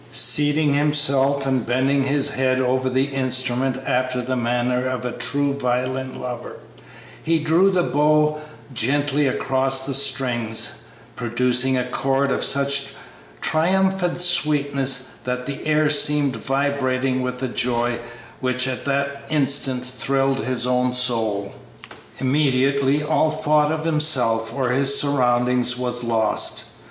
Seating himself and bending his head over the instrument after the manner of a true violin lover, he drew the bow gently across the strings, producing a chord of such triumphant sweetness that the air seemed vibrating with the joy which at that instant thrilled his own soul. Immediately all thought of himself or of his surroundings was lost.